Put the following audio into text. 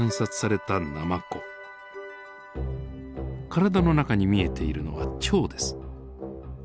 体の中に見えているのは腸です。